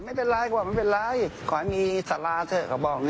ไม่เป็นไรชะมัดไม่เป็นไรขอให้มีสาระเถอะเขาบอกเนี้ย